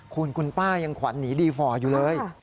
คุณคุณป้ายังขวัญหนีดีฟอร์อยู่เลย